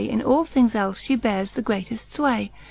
In all things elfe fhe beares the greateft fway.